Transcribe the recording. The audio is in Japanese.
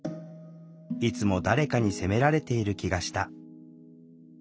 いつも誰かに責められている気がした。